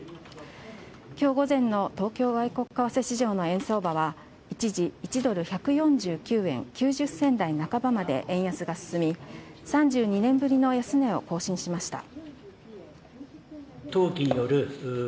今日午前の東京外国為替市場の円相場は一時１ドル１４９円９０銭台半ばまで円安が進み３２年ぶりの安値を更新しました。